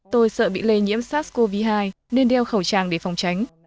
tôi sợ bị lây nhiễm sars cov hai nên đeo khẩu trang để phòng tránh